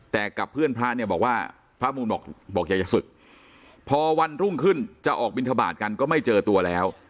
แต่กับเพื่อนพระเนี่ยบอกว่าพระมูลบอกอยากจะศึกพอวันรุ่งขึ้นจะออกบินทบาทกันก็ไม่เจอตัวแล้ว